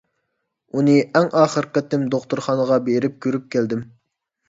ئۇنى ئەڭ ئاخىرقى قېتىم دوختۇرخانىغا بېرىپ كۆرۈپ كەلدىم.